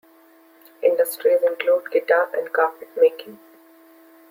Industries include guitar- and carpet-making.